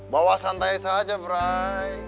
bawa santai saja brai